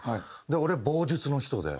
俺棒術の人で。